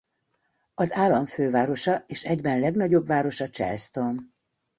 Az állam fővárosa és egyben legnagyobb városa Charleston.